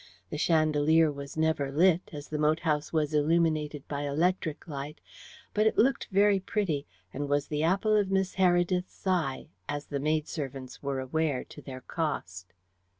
The chandelier was never lit, as the moat house was illuminated by electric light, but it looked very pretty, and was the apple of Miss Heredith's eye as the maidservants were aware, to their cost.